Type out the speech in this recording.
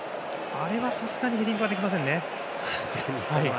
あれは、さすがにヘディングはできませんね。